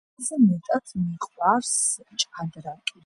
ყველაზე მეტად მიყვარს ჭადრაკი